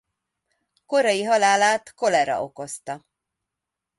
Korai halálát kolera okozta.